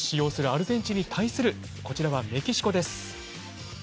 アルゼンチンに対するこちらは、メキシコです。